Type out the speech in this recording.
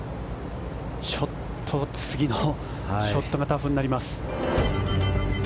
ちょっと次のショットがタフになります。